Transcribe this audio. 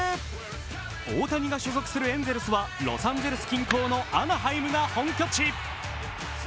大谷が所属するエンゼルスはロサンゼルス近郊のアナハイムが本拠地。